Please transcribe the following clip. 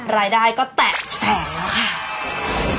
รายได้ก็แตะแสนแล้วค่ะ